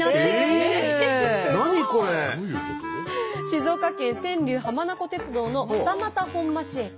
静岡県天竜浜名湖鉄道の二俣本町駅。